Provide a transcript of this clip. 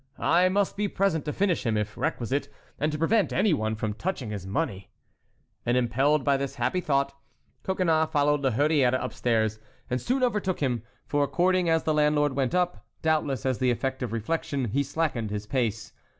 I must be present to finish him, if requisite, and to prevent any one from touching his money." And impelled by this happy thought, Coconnas followed La Hurière upstairs, and soon overtook him, for according as the landlord went up, doubtless as the effect of reflection, he slackened his pace.